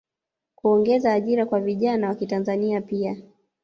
kuongeza ajira kwa vijana wakitanzania pia